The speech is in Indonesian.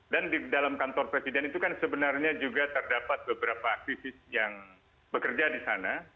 dan di dalam kantor presiden itu kan sebenarnya juga terdapat beberapa aktivis yang bekerja di sana